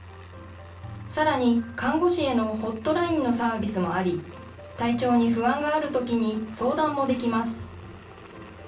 さらに看護師へのホットラインのサービスもあり、体調に不安があるときに相談もできます。